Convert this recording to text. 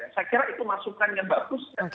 saya kira itu masukan yang bagus